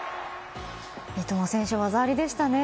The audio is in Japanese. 伊東選手、技ありでしたね。